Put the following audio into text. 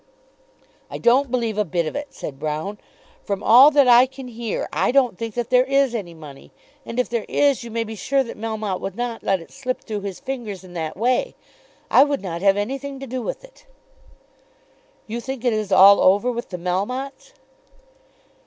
"I don't believe a bit of it," said Broune. "From all that I can hear, I don't think that there is any money. And if there is, you may be sure that Melmotte would not let it slip through his fingers in that way. I would not have anything to do with it." "You think it is all over with the Melmottes?"